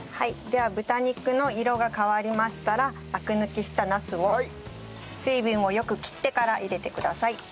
では豚肉の色が変わりましたらアク抜きしたなすを水分をよく切ってから入れてください。